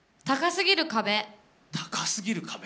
「高すぎる壁」。